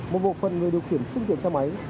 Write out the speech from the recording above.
một bộ phần người điều khiển phương tiện xe máy